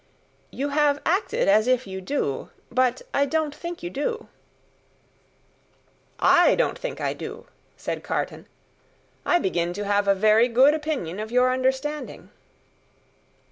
"You have acted as if you do; but I don't think you do." "I don't think I do," said Carton. "I begin to have a very good opinion of your understanding."